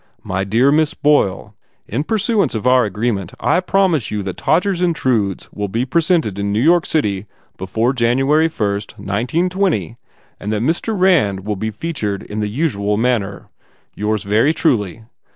My dear Miss Boyle, In pursuance of our agreement I promise you that Todgers Intrudes will be presented in New York City be fore January first, nineteen twenty and that Mr. Rand will be fea tured in the usual manner. Yours very truly.